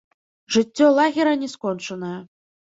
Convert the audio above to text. Жыццё лагера не скончанае.